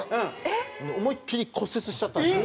思いっきり骨折しちゃったんですよ。